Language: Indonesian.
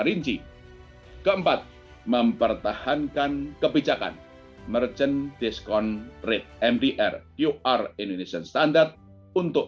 rinci keempat mempertahankan kebijakan merchant diskon rate mdr qr indonesian standard untuk